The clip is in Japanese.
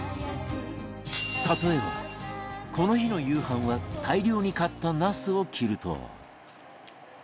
例えばこの日の夕飯は大量に買ったなすを切ると